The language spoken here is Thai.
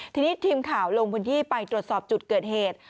ทีนี้ทีมข่าวลงพื้นที่ไปตรวจสอบจุดเกิดเหตุ